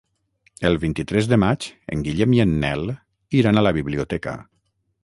El vint-i-tres de maig en Guillem i en Nel iran a la biblioteca.